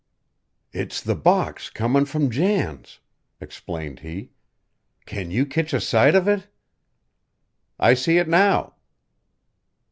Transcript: "It's the box comin' from Jan's," explained he. "Can you kitch a sight of it?" "I see it now."